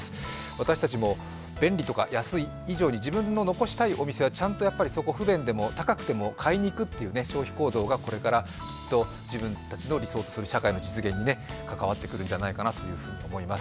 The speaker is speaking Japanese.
私たちも便利とか安い以上に自分の残したい店は高くても買いに行くという消費行動が、これからきっと自分たちの理想とする社会の実現に関わってくるんじゃないかなと思います。